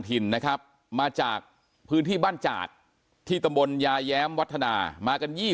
ถิ่นนะครับมาจากพื้นที่บ้านจากที่ตำบลยาแย้มวัฒนามากัน๒๐